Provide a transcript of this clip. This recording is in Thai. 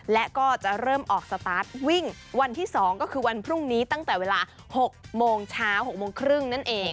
และก็จะเริ่มออกสตาร์ทวิ่งวันที่๒ก็คือวันพรุ่งนี้ตั้งแต่เวลา๖โมงเช้า๖โมงครึ่งนั่นเอง